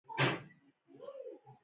کاناډا د لوبیا لوی تولیدونکی دی.